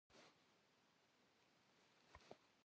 Litri şe khes psı mışşıuue xuezer litri t'u khudêyş.